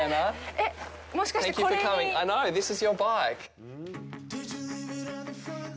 えっ、もしかして、これに。